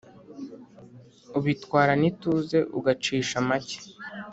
ubitwarana ituze ugacisha make